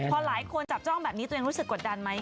พอหลายคนจับจ้องแบบนี้ตัวเองรู้สึกกดดันไหม